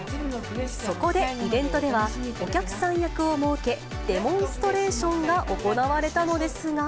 そこで、イベントではお客さん役を設け、デモンストレーションが行われたのですが。